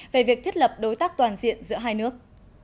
về việc thiết lập đối tác toàn diện giữa hai nước